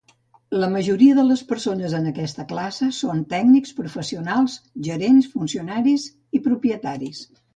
La majoria de les persones en aquesta classe són tècnics, professionals, gerents, funcionaris i propietaris.